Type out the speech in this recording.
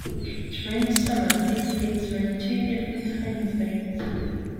During summer these states are in two different time zones.